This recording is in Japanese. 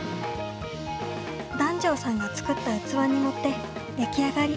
檀上さんが作った器に盛って出来上がり。